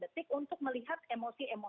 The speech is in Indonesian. tetapi di sini tidak kaya dengan emosi tersebut